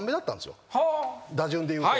打順で言うと。